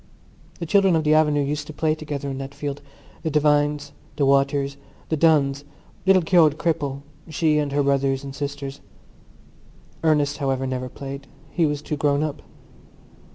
The children of the avenue used to play together in that field—the Devines, the Waters, the Dunns, little Keogh the cripple, she and her brothers and sisters. Ernest, however, never played: he was too grown up.